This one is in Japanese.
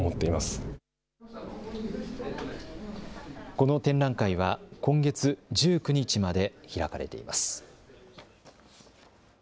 この展覧会は今月１９日まで開かれています。